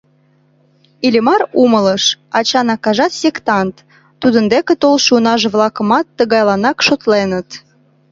Иллимар умылыш: ачан акажат сектант, тудын деке толшо унаже-влакымат тыгайланак шотленыт.